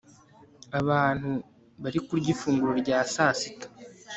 abantu bari kurya ifunguro rya sasita